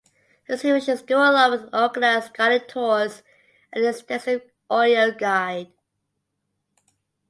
Exhibitions go along with organized guided tours and an extensive audio guide.